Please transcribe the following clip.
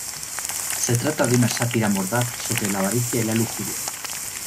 Se trata de una sátira mordaz sobre la avaricia y la lujuria.